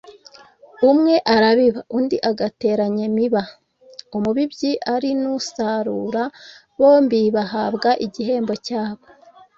Umwe arabiba, undi agateranya imiba; an umubibyi ari n'usarura bombi bahabwa igihembo cyabo.